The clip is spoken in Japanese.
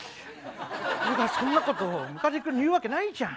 俺がそんなことをムカデ君に言うわけないじゃん。